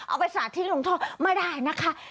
เอาไปสระทิ้งลงท่อไม่ได้นะคะ